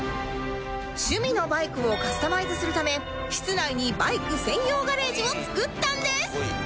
趣味のバイクをカスタマイズするため室内にバイク専用ガレージを作ったんです